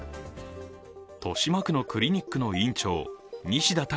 豊島区のクリニックの院長西田隆